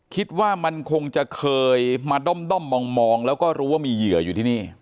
คิดว่ามันคงจะเคยมาด้อมมองแล้วก็รู้ว่ามีเหยื่ออยู่ที่นี่